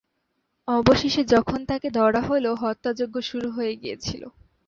অবশেষে যখন তাকে ধরা হলো, হত্যাযজ্ঞ শুরু হয়ে গিয়েছিল।